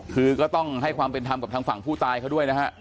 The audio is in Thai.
คือก็ต้องให้ความเป็นธรรมกับทางฝั่งผู้ตายเขาด้วยนะฮะ